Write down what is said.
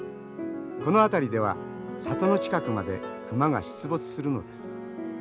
この辺りでは里の近くまで熊が出没するのです。